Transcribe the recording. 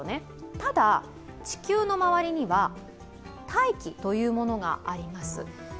ただ、地球の周りには大気があります。